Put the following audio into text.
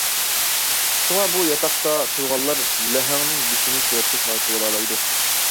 شۇڭا بۇ ياتاقتا تۇرغانلار لەھەڭنىڭ بېشىنى سۈرەتكە تارتىۋالالايدۇ.